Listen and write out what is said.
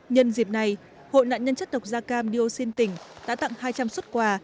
nhân dịp này hội nạn nhân chất độc da cam dioxin tỉnh đã tặng hai trăm linh xuất quà